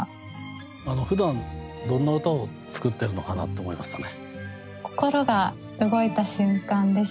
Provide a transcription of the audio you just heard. ふだんどんな歌を作ってるのかなと思いましたね。